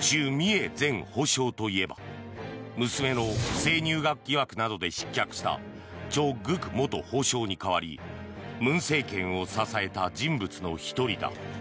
チュ・ミエ前法相といえば娘の不正入学疑惑などで失脚したチョ・グク元法相に代わり文政権を支えた人物の１人だ。